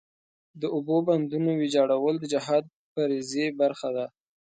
د اوبو بندونو ویجاړول د جهاد فریضې برخه ده.